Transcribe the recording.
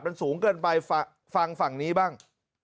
มันสูงเกินไปฟังฝั่งนี้บ้าง